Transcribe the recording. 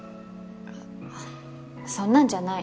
そんなんじゃない。